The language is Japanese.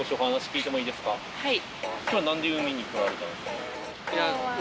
はい。